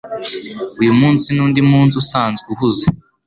Uyu munsi ni undi munsi usanzwe uhuze.